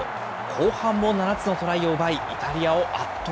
後半も７つのトライを奪い、イタリアを圧倒。